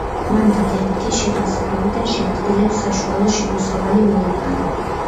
მან დადებითი შეფასებები და შემქმნელებს საშუალო შემოსავალი მოუტანა.